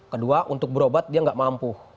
kedua untuk berobat dia nggak mampu